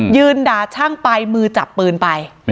ด่าช่างไปมือจับปืนไป